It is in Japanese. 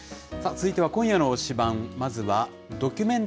続いては、今夜の推しバン！